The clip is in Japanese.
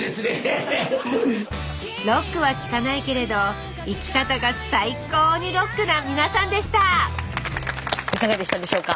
ロックは聴かないけれど生き方が最高にロックな皆さんでしたいかがでしたでしょうか？